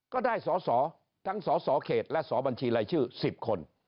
ก็ได้สอสอทั้งสสเขตและสอบัญชีรายชื่อ๑๐คน